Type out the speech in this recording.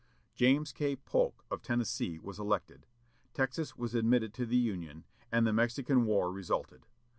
James K. Polk of Tennessee was elected, Texas was admitted to the Union, and the Mexican War resulted.